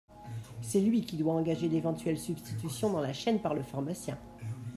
C’est lui qui doit engager l’éventuelle substitution dans la chaîne par le pharmacien.